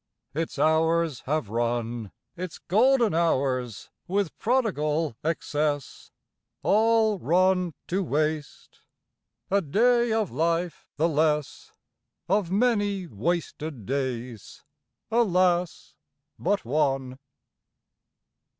Its hours have run, Its golden hours, with prodigal excess, All run to waste. A day of life the less; Of many wasted days, alas, but one!